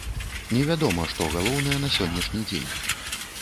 Невядома, што галоўнае на сённяшні дзень.